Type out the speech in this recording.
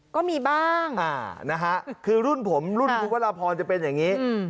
ก็มีบ้างนะฮะคือรุ่นผมรุ่นคุณวรพรจะเป็นอย่างนี้